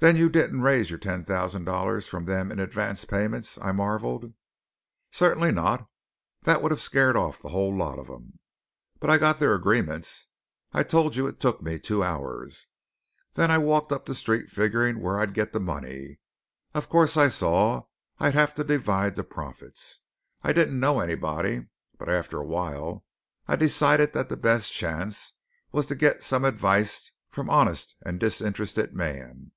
"Then you didn't raise your ten thousand dollars from them in advance payments!" I marvelled. "Certainly not. That would have scared off the whole lot of them. But I got their agreements; I told you it took me two hours. Then I walked up the street figuring where I'd get the money. Of course I saw I'd have to divide the profits. I didn't know anybody; but after a while I decided that the best chance was to get some advice from honest and disinterested man.